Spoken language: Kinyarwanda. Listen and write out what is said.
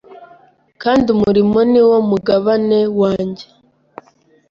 kandi umurimo niwo mugabane wanjye